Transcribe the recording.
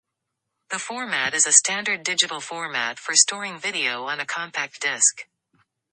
The format is a standard digital format for storing video on a compact disc.